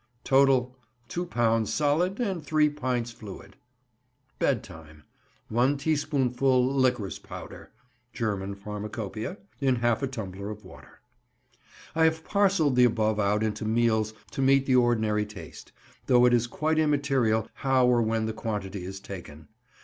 Total.—Two pounds solid and three pints fluid. Bed time.—One teaspoonful liquorice powder (German pharmacopoeia) in half a tumbler of water. I have parcelled the above out into meals to meet the ordinary taste, though it is quite immaterial how or when the quantity is taken.